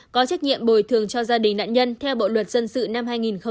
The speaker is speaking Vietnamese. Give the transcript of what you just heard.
có trách nhiệm bồi thường cho gia đình nạn nhân theo bộ luật dân sự năm hai nghìn một mươi năm